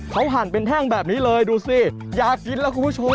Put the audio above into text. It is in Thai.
เขาหั่นเป็นแท่งแบบนี้เลยดูสิอยากกินแล้วคุณผู้ชม